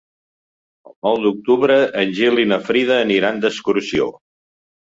El nou d'octubre en Gil i na Frida aniran d'excursió.